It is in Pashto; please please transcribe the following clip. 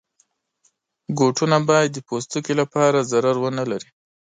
بوټونه باید د پوستکي لپاره ضرر ونه لري.